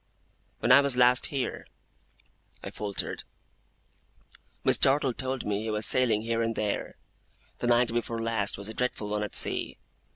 'When I was last here,' I faltered, 'Miss Dartle told me he was sailing here and there. The night before last was a dreadful one at sea.